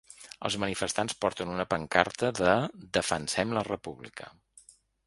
Els manifestants porten una pancarta de ‘Defensem la República’.